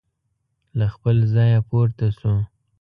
له خپل ځایه پورته شو.